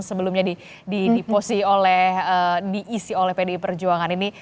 sebelumnya diisi oleh pdi perjuangan ini